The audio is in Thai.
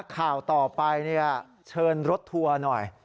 ข่าวต่อไปเชิญรถทัวร์หน่อย